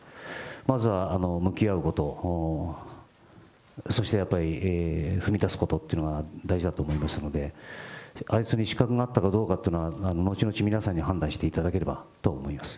まずは向き合うこと、そしてやっぱり踏み出すことっていうのが大事だと思いますので、あいつに資格があったのかどうかというのは、後々皆さんに判断していただければと思います。